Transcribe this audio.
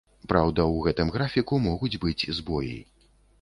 Праўда, у гэтым графіку могуць быць збоі.